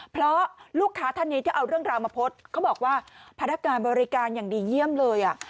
เพราะลูกค้าท่านนี้ที่เอาเรื่องราวมาโพสต์เขาบอกว่าพนักการบริการอย่างดีเยี่ยมเลย